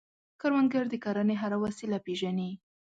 کروندګر د کرنې هره وسیله پېژني